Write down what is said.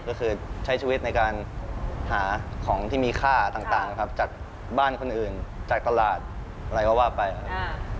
ก็คือใช้ชีวิตในการหาของที่มีค่าต่างนะครับจากบ้านคนอื่นจากตลาดอะไรก็ว่าไปครับ